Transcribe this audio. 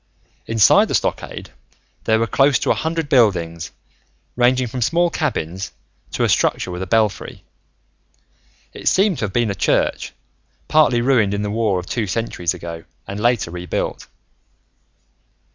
Inside the stockade, there were close to a hundred buildings, ranging from small cabins to a structure with a belfry. It seemed to have been a church, partly ruined in the war of two centuries ago and later rebuilt.